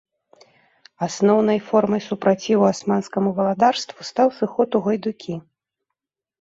Асноўнай формай супраціву асманскаму валадарству стаў сыход у гайдукі.